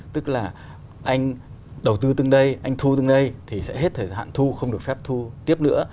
tức là anh đầu tư từng đây anh thu từng đây thì sẽ hết thời hạn thu không được phép thu tiếp nữa